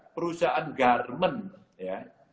perusahaan garment ya